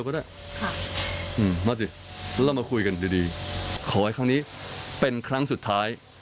ขอให้ครั้งนี้เป็นครั้งสุดท้าย